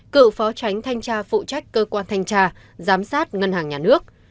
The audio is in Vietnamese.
cựu phó tránh thanh tra phụ trách cơ quan thanh tra giám sát ngân hàng nhà nước